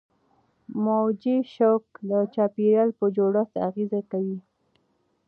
موجي شوک د چاپیریال په جوړښت اغېزه کوي.